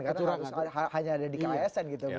karena hanya ada di ksn gitu misalnya